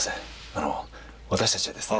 あの私たちはですね。